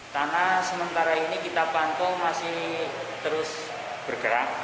tanah sementara ini kita pantul masih terus bergerak